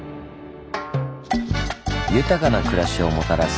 豊かな暮らしをもたらす